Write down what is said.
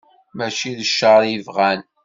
Mačči d cceṛ i bɣan.